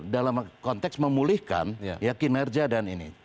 dalam konteks memulihkan kinerja dan ini